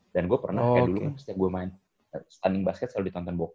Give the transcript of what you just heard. dan gue pernah kayak dulu setiap gue main standing basket selalu ditonton bokap